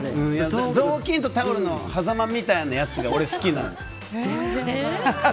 雑巾とタオルのはざまみたいなやつが俺は好きなの。